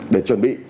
để chuẩn bị